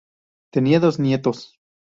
Tenía dos nietos.